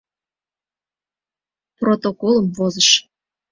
Протоколым возыш.